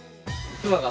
妻が？